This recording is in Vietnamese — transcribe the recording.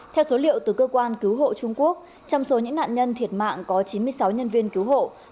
theo số liệu từ cơ quan cứu hộ trung quốc trong số những nạn nhân thiệt mạng có chín mươi sáu nhân viên cứu hộ